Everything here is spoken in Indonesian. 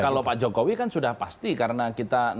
kalau pak jokowi kan sudah pasti karena kita